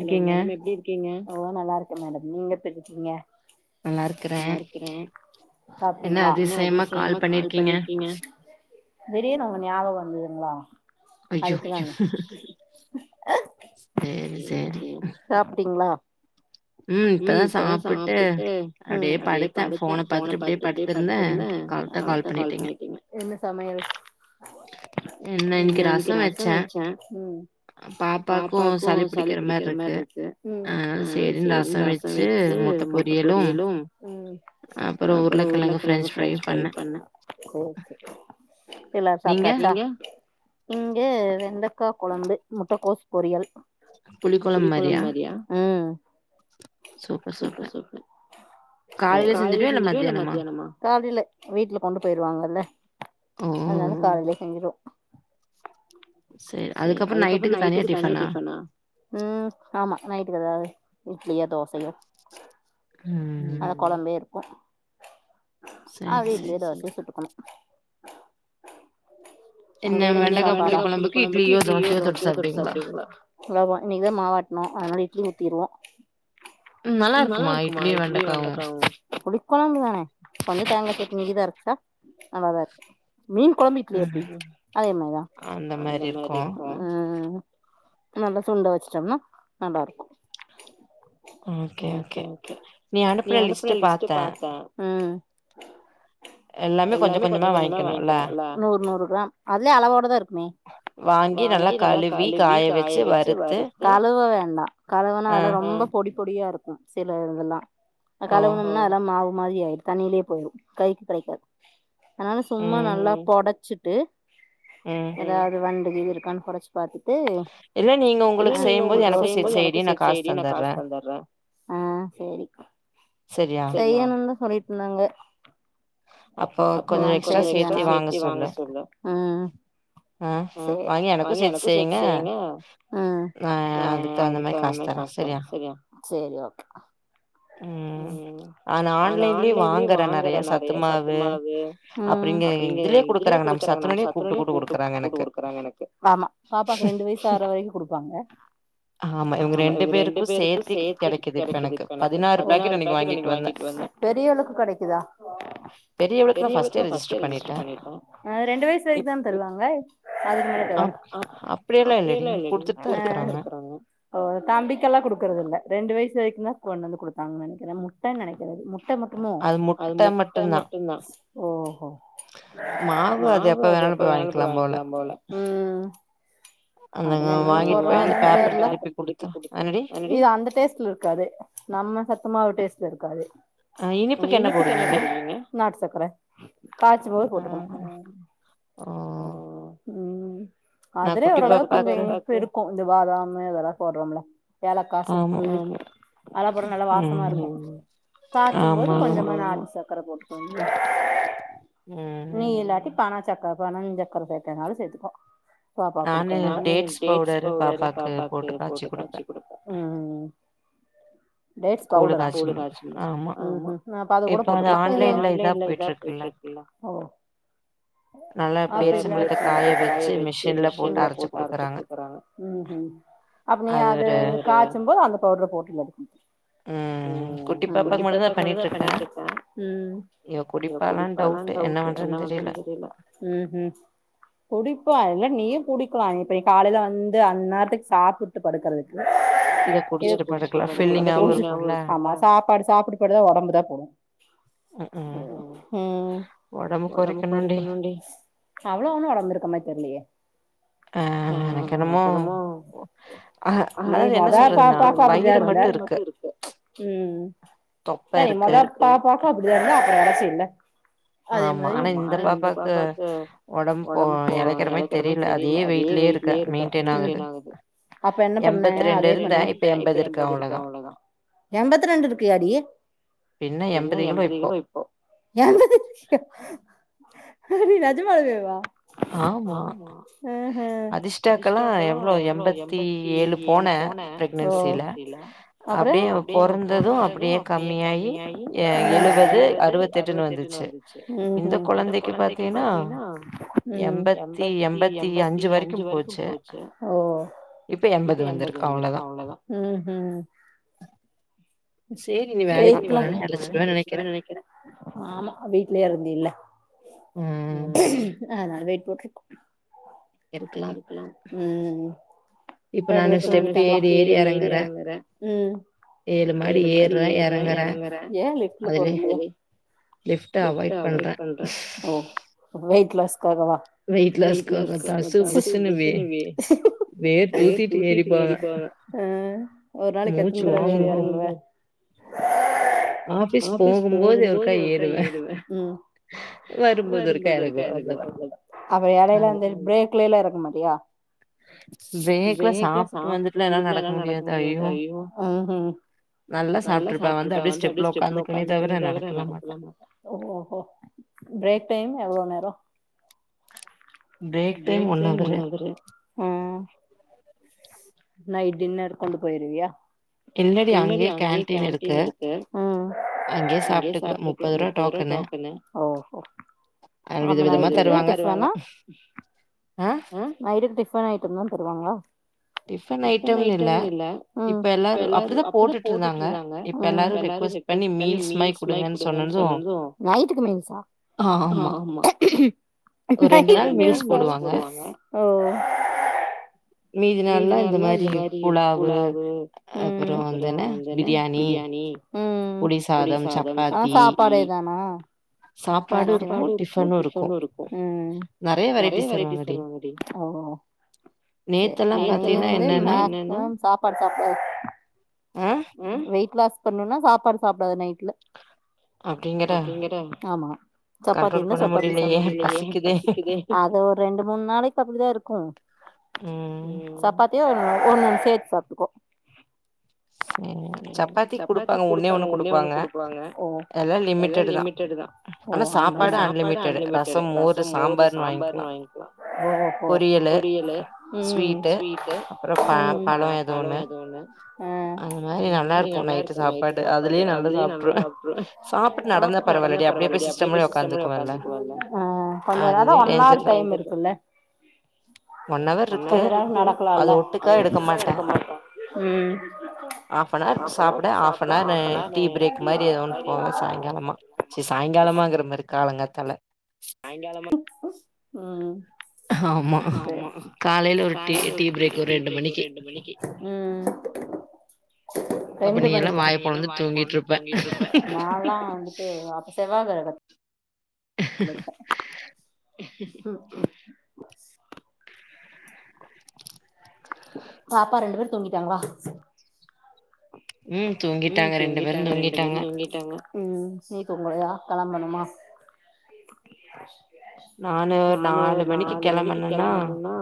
hello madam எப்டி இருக் ஓ நல்லாருக்கே மேடம் நீங்க எப்பிர்றீகீங்க என்ன அதிசியமா கால் பண்ணீர்க்கீங்க திடீர்னு ஒங்க ஞாபகொ வந்ததுங்ளா அய்யோ சேரி சேரி சாப்டீங்ளா ம் இப்பதா சாப்புட்டு அப்டியே படுத்தே ஃபோன பாத்துட்டு அப்டியே படுத்திருந்தே கரட்டா கால் பண்ணிட்டீங்க நா இன்னக்கி ரசொ வச்சே பாப்பாக்கு சளி புடிக்கிற மாரி இருக்கு ஆ சேரின் ரசொ வச்சு முட்ட பொரியலும் அப்பறோ உருளக்கெழங்கு பிரன்ச்ஃப்ரையு பண்ணே நீங்க இங்க வெண்டக்கா கொழம்பு முட்டக்கோஸ் பொரியல் புளி கொழம்பு மாரியா சூப்பர் சூப்பர் காலேல செஞ்சிடுவியா இல்ல மதியானமா வீட்ல கொண்டு போய்ருவாங்கல்ல அதுனால காலேலயே செஞ்சுருவோ சேர் அதுக்கப்பறோ நைட்டுக்கு தனியா டிஃபனா ம் ஆமா நைட்டுக்கு எதாவது இட்லியோ தோசயோ உம் அந்த குழம்பே இருக்கு அது இட்லியோ தோசயோ சுட்டுக்கணு நீங்க வெண்டக்கா புளி கொழம்புக்கு இட்லியோ தோசயோ தொட்டு சாப்டுவீங்களா லவோ இன்னைக் தா மாவாட்னோ அதுனால இட்லி ஊத்திற்வோ நல்லாருக்குமா இட்லியு வெண்டக்காவு புளிக்கொழம்புதான கொஞ்சொ தேங்கா சட்னீ [unintelligible] அரச்சா நல்லாதா இருக்கு மீன் கொழம்பு இட்லி எப்டி அதே மாரிதா அ அ அ நல்லா சுண்ட வச்சுடம்னா நல்லாருக்கு ஓகே ஓகே நீ அனுப்புன லிஸ்ட்ட பாத்தே எல்லாமே கொஞ்ச கொஞ்சமா வாங்கிக்கணு இல்ல வாங்கி நல்லா கழுவி காய வச்சு வறுத்து கழுவுனா அதுல ரொம்ப பொடி பொடியா இருக்கு சில இதுகல்லா அது கழுவனம்னா நல்லா மாவு மாரி ஆயிரு தண்ணிலயே போய்று கைக்கு கெடைக்காது அதனால சும்மா நல்லா பொடச்சுட்டு அ எதாவது வண்டு கீது இருக்கானு பொடச்சு பாத்துட்டு சேர் சேரி நா காஸ் தந்தற்றே அ சேரி செய்யணுனு சொல்லிட் ந்தாங்க [unintelligible] சேர்த்தி வாங்க சொல்லு ஆ அ வாங்கி எனக்கு சேத் செய்யுங்க அ அ அடுத்து அந்த மாரி காஸ் தரே செரியா செரி ஓகே ம் அ நா ஆன்லைன்லயே வாங்குறே நெறைய ச த்துமாவு அப்ற இங்க இதுலயே குடுக்குறாங்க நம்ம சத்துணவ்ல்யே கூப்ட்டு கூட்டு குடுக்குறாங்க எனக்கு ஆமா பாப்பாக்கு ரெண்டு வயசு ஆற வரைக்கு குடுப்பாங்க ஆமா இவங்க ரெண்டு பேருக்கு சேர்த்தி கெடைக்குது இப்பெனக்கு பதினாறு பேக்கெட் இன்னைக்கு வாங்கிட் வந்தே பெரியவளுக்கு கெடைக்குதா பெரியவளுக்லா ஃபஸ்டே ரிஜிஸ்டர் பண்ணியிருக்கோ அ ரெண்டு வயசு வரைக் தான தருவாங்க அதுக் மேல தராங்க அ அப்படியெல்லா இல்லடி குடுத்துட்தா இருக்கறாங் ஒ அ தம்பிக்கெல்லா குடுக்குறதில்ல ரெண்டு வயசு வரைக்குந்தா கொண் வந்து குடுத்தாங்க நெனைக்கிறே முட்ட நெனைக்குறே முட்ட மட்டுமோ அது முட்ட மட் டுந்தா ஒ ஓஹோ மாவு அது எப்ப வேணாலு போய் வாய்ங்க்கிலா போல ம் அதுல என்னென்ன போட்றாங்கன் தெரில இல்ஷ அந்த டேஸ்ட்ல இருக்காது நம்ம சத்துமாவு டேஸ்ட்ல இருக்காது ம் இனிப்புக்கு என்ன போடுவீங்க நாட்டு சக்கர காய்ச்சபோது போட்டுக்கணு ஓ ம் அதுலே ஓரளவுக் கொஞ்ச இனிப்பு இருக்கு இந்த பாதாமு இதெல்லா போடுறோம்ல ஏலக்கா சுக்கு ஆமா அதலா போட்டா நல்லா வாசமா இருக்கு காச்சும்போது கொஞ்சமா நாட்டு சக்கர போட்டுக்க வேண்டிதா நீ எல் இல்லாட்டி பணச்சக்கர பனஞ்சக்கர சேத்துக்னாலோ சேத்துக்கோ பாப்பாக் குடுக்குறதுனால நானு டேட்ஸ் பவுடரு பாப்பாக்கு போட்டு காச்சி குடுப்பே ம் டேட்ஸ் பவுடரா ம் ம் அப்ப அது கூட போட்டுக்லா ஆன்லைன்ல இதா போய்ட்ருக்குல்ல [unintelligible] காய வெச்சு மிஷின்ல போட்டு அரச்சு குடுக்குறாங்க ம் ம் அப்ப நீ அது காச்சும்போது அந்த பவுட்ர போட்டு [unintelligible] ம் குட்டி பாப்பாக்கு மட்டு தா பண்ணிட்ருக்கே ம் இவ குடிப்பாலான் டவுட்டு என்ன பண்றதுன்தா தெர்ல ம் ம் குடிப்பா இல்ல நீயு குடிக்கலா இப்ப நீ காலையில வந்து அந்நேரத்துக்கு சாப்புட்டு படுக்கறதுக்கு இத குடிச்சிட்டு படுக்கலா கூலிங்காவு இருக்கு ஆமா சாப்பாடு சாப்புட்டு படுதா ஒடம்பு தா போடு ம் ஒடம்பு கொரிக்கனுன்டி அவ்ளோ ஒண்ணு ஒடம்பிருக்க மாரி தெர்லியே ஆ எனக்கென்னமோ நீ மொதபாப்பாக்கு அப்பிடிதா இருந்த ம் தொப்ப இருக்கு பாப்பாக்கு அப்படிதா இருந்த அப்பற எலச்சில்ல அதே மாரி ஆமா ஆனா இந்த பாப்பாக்கு ஒடம் இப்போ எலைக்கிற மாரி தெரியில அதே வெயிட் லியே இருக்க மெயின்டென் ஆகுது அப்ப என்ன பண்ணு அதே பண்ணு எம்பத்தி ரெண்டு இருக்கியாடி இன்னு எம்பது கிலோ இப் எம்பது அடி நெஜமாலேவா ஆமா அதிஷ்டாக்கெல்லா எவ்ளோ எம்பத்தி ஏழு போன [inaudible] சிலா அப்டியே அவ பொறந்தது அப்டியே கம்மியாயி ஒரு எழுவது அறுவத்தெட்டுனு வந்துச்சு இந்த கொழந்தைக் கு பாத்தீன்னா ம் எம்பத்தி எம்பத்தி அஞ்சு வரைக்கு போச்சு இப்ப எம்பது வந்திருக்கு அவ்ளோ தா சேரி நீ வே [inaudible] வேலைக்கு போனாலு எளச்சுருவனு நெனைக்கிறே ஆமா வீட்லயே இருந்தீல்ல அ அதுனால வெயிட் போட்ருக்கு ம் ரெண்டு பேரு தூங்கீட்டாங்ளா நானு ஸ்டெப்பு ஏறி ஏறி எறங்கறே ம் ஏழு மாடி ஏர்ற எறங்கறே ஏ லிஃப்ட்ல போறதில்லயா [inaudible] லிஃப்ட்ட அவாய்ட் பண்றே ஓ வெய்ட் லாஸ்க்காகவா வெய்ட் லாஸ்க்காக தா தஸ்ஸு புஸ்ஸுனு வே வெய்ட் தூக்கீட்டு ஏறிப்போற ஆ ஒர் நாளைக் எத்தன் தடவ ஏறி எறங்குவ ஆஃபீஸ் போகும்போது ஒருக்கா ஏறுவே ம் வரும்போது ஒருக்கா எறங்குவே அவ்ளோ தா அப்ப எடைல அந்த ப்ரேக்லேல்லா எறங்க மாட்டியா ப்ரேக்லா சாப்ட்டு வந்துட்லா என்னால நடக் முடியாது ஐயோ நல்லா சாப்ட்ருப்பே வந்து அப்டியே ஸ்டெப்ல ஒக்காந்துக்வனே தவர நடக் கல்லா மாட்டே ஓஹோ ப்ரேக் டைம் எவ்ளோ நேரோ ப்ரேக் டைம் ஒன்னவரு ஆ நைட் டின்னர் கொண்டு போயிருவியா இல்லடி அங்யே கேண்டீன் இருக்கு அங்யே சாப்ட்டுக்வே முப்பத்ருவா டோக்கனு ஆமா நா [inaudible] ஆ நைட்டுக்கு டிஃபன் ஐட்டம்லா தருவாங்களா டிஃபன் அயிட்டம் இல்ல இப்ப எல்லாரு அப்டி தா போட்டுட்ருந்தாங்க இப்ப எல்லாரு ரெக்கொஸ்ட் பண்ணி மீல்ஸ் மாரி குடுங்கன் சொன்னதும் நைட்டுக்கு மீல்ஸா ஆமா ஒரு ஒரு நேரோ மீல்ஸ் போடுவாங்க மீதி நாள்ல்லா இந்த மாரி புலாவு அப்புறோ வந்தென்ன பிரியாணி ம் ம் ஆ சாப்பாடே தானா சாப்பாடு இருக்கு டிஃபனு இருக் கு நெறைய வெரைட்டீஸ் தருவாங்கடி சேரி நீ வந்து மேக்சிமம் சாப்பாடு சாப்டாத வெய்ட் லாஸ் பண்ணுனா சாப்பாடு சாப்டாத நைட்ல அப் அப்டிங்கற ஆமா சப்பாத்தி இர்ந்தா சப்பாத்தி சாப் அது ஒரு ரெண்டு மூண் நாளைக்கு அப்பிடிதா இருக்கு சப்பாத்தியே ஒன்னு ஒன்னு சேத் சாப்ட்டுக்கோ சேர் சப்பாத்தி குடுப்பாங்க ஒன்னே ஒன்னு குடுப்பாங்க எல்லா லிமிடடு தா ஆனா சாப்பாடு அன்லிமிடடு ரசம், மோரு, சாம்பார்ன்னு வாய்ங்க்கிலா [unintelligible] ப்போ பொரியலு, ஸ்வீட்டு அப்றோ ப பழோ எதோ ஒண்ணு அ எ நல்லா இருக்கும் நைட்டு சாப்பாடு அதுலயே நல்லா சாப்டுருவேன் சாப்ட்டு நடந்தா பரவால்ல டி அப்ட போய் சிஸ்டம்லியே ஒக்காந்துக்குவாங்க ஆ கொஞ்சோ நட ஒன் ஆர் டைம் இருக்கு இல்ல கொஞ்சோ நேரம் நடக்கலாம் இல்ல அத உட்டுட்டா எடுக்க மாட்றாங்க ஹாபனார் சாப்பிட ஹாபனார் ந டீ பிரேக் மாரி ஏதோ ஒண்ணு போவேன் சாயங்காலமா சி சாயங்காலமாங்கற மாரி காலங்காத்தால சாய்ங்காலமா ம் ஆமா காலைல ஒரு டீ டீ பிரேக் ஒரு ரெண்டு மணிக்கு ம் ரெண்டு மணிக்கா நீலா வாய பொளந்து தூங்கிட்டு இருப்ப நாலாம் து அப்ப செவ்வா கிழம உள்ள இருப்ப உஹீம் பாப்பா ரெண்டு பேர் தூங்கிட்டாங்களா ம் ம் தூங்கிட்டாங்க ரெண்டு பேரும் தூங்கிட்டாங்க ம் நீ தூங்கலையா கொளம்பணுமா நானு நாலு மணிக்கு கெளம்பணும்னா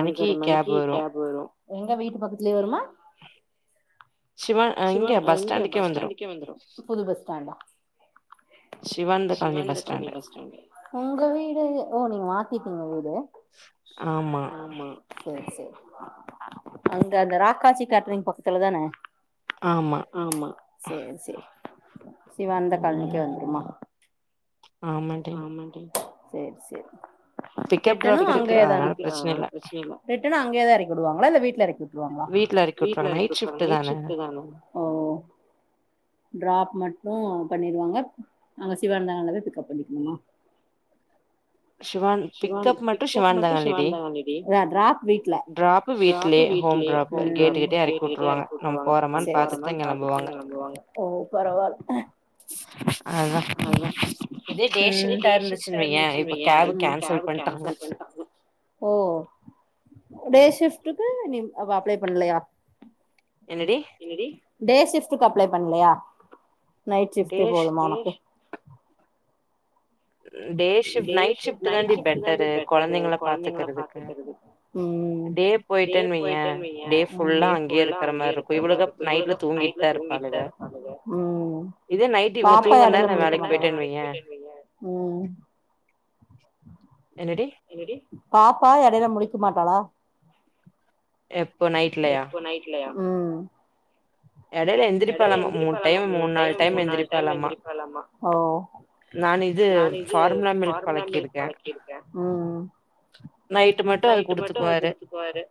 அஞ்சர மணிக்கு கேப் வரும் உங்க வீட்டு பக்கத்துலயே வருமா சிவ சிவ இங்க பஸ்ஸாண்டுக்கு வந்துடும் புது பஸ்டான்டா சிவானந்தா காலனி பஸ்ஸ்டாண்ட் உங்க வீடு ஓ நீங்க மாத்திட்டீங்களே வீடு ஆ சேர் சேர் அங்க அந்த ராக்காசி கேட்ரிங் பக்கத்துல தானே ஆமா சேர் சேர் சிவானந்த காலனிக்கே வந்துருமா ஆமான்டி சேர் சேர் ரிட்டனும் அங்கேதா அ முஸ்லிம் தா ரிட்டனு அங்கயே தா எறக்கிவிடுவாங்களா இல்ல வீட்ல இறக்கி விட்டுருவாங்களா வீட்ல எறக்கி விட்ருவாங்க நயிட் சிப்டு தான ஓ ட்ராப் மட்டும் பண்ணிருவாங்க நாங்க சிவானந்தால போய் பிக்கப் பண்ணிக்கு அம்மா சிவான் பிக்கப் மட்டும் சிவாநந்ததா காலணியாடி எ ட்ராப் வீட்ல ட்ராப்பு வீ்ட்லயே ஹோம் ட்ராப் கேட்டு கிட்டே எறக்கி விட்டுருவாங்க நம்ப போறமானு பாத்துட்டு அங்க வந்துருவாங்க ஓ பரவால்ல அதான் இதே டே ஷிஃப்ட்டா இருந்துச்சுன் வைய்யே இப்ப கேபு கேப் கேப் கேன்சல் பண்ட்டான் ம் ஓ டே ஷிஃப்ட்டுக்கு நீ அவ அப்ளை பண்ணலையா என்னடி என்னடி டே ஷிப்ட்க்கு அப்ளை பண்ணலயா நைட் ஷிப்டே போதுமா உனக்கு டே ஷிப்ட் நைட் ஷிப்ட் தாண்டி பெட்டரு கொழந்தைங்கள பாத்துக்கறதுக்கு ம் டே போய்ட்டேன்னு வைய்யே டே ஃபுல்லா அங்கயே இருக்கிற மார்ருக்கு இப்ப இவளுக நைட்ல தூங்கிட்டு தான் இருப்பாளுங்க பாப்பா எடைல முழிக்க மாட்டாளா ம் என்னடி பாப்பா எடையில முழிக்க மாட்டாளா எப்போ நைட்லயா எடைல எந்திரிப்பாளாமா மூணு டைம் மூணு நாலு டைம் எந்திரிப்பாளாமா ஒ நானு இது ஃபார்முலா மில்க் பழக்கிருக்கே நைட் நைட்டு மட்டு அது குடுச்சிக்குவாரு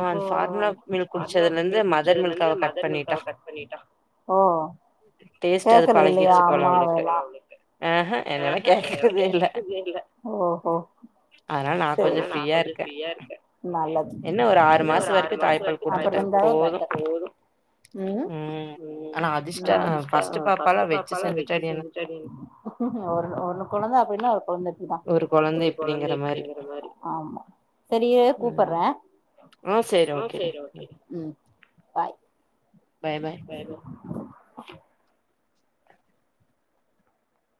இப்போ ஃபார்மலா மில்க் குடிச்சதுலருந்து மதர் மில்க்க அவ கட் பண்ணிட்டா ஓ கேக்றது இல்லையா அம்மாவெல்லா ஆ ஹ என்னையெல்லா கேக்ரதே இல்ல ஆனா நா கொஞ்சோ ஃப்ரீயா இருக்கே என்ன ஒரு ஆறு மாசோ வரைக்கு [unintelligible] ம் ஆனா அதிர்ஷ்டோ ஃபஸ்ட்டு பாப்பால்லா வச்சு செஞ்சு அ ஹ ஒரு ஒன்னு கொழந்தை அப்டின்னா ஒரு கொழந்தை இப்டிதா அப்பிடிங்கற மாரி சரியே கூப்பர்ரே ம் சேரி ஓகே ம் பாய் பாய் வேர்தொ